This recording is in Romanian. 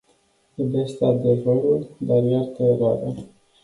Iubește adevărul, dar iartă eroarea.